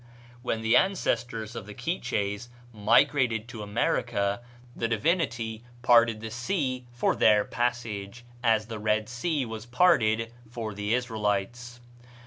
When the ancestors of the Quiches migrated to America the Divinity parted the sea for their passage, as the Red Sea was parted for the Israelites.